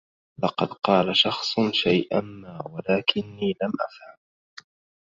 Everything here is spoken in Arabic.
لقد قال شخص شيء ما ولكني لم أفهم.